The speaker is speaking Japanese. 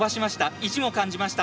意地を感じました。